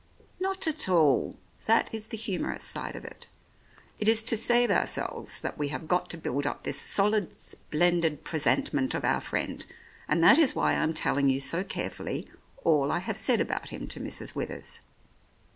"Not at all ; that is the humorous side of it. It is to save ourselves that we have got to build up this solid, splendid presentment of our friend, and that is why I am telling you so carefully all I have said about him to Mrs. Withers.